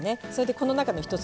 この中の一つ